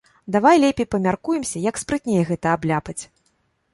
Давай лепей памяркуемся, як спрытней гэта абляпаць.